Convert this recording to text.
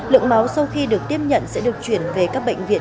lượng máu sau khi được tiếp nhận sẽ được chuyển về các bệnh viện